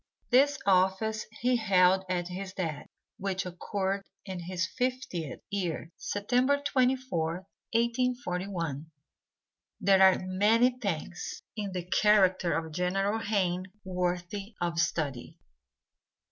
This office he held at his death, which occurred in his fiftieth year, September 24th, 1841. There are many things in the character of General Hayne worthy of study.